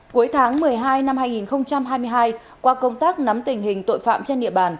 cuối tháng một mươi hai năm hai nghìn hai mươi hai qua công tác nắm tình hình tội phạm trên địa bàn